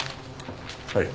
はい。